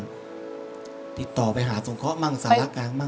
พี่บ๊วยค่ะดิติดต่อไปหาสงเคราะห์มางอาหารคร๊ากาหรือง